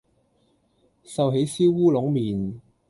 壽喜燒烏龍麵